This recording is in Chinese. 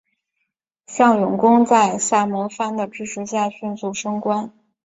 向永功在萨摩藩的支持下迅速升官。